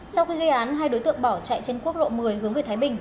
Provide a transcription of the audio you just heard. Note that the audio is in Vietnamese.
sau khi gây án hai đối tượng bỏ chạy trên quốc lộ một mươi hướng về thái bình